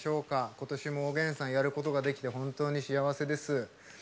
ことしも「おげんさん」やることができて本当に幸せです。